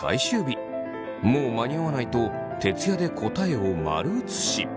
もう間に合わないと徹夜で答えを丸写し。